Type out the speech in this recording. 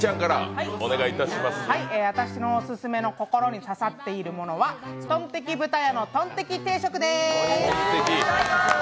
私のオススメの心に刺さっているものは、とんテキ豚屋のとんテキ定食でーす。